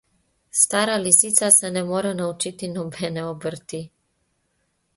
Stara lisica se ne more naučiti nobene obrti.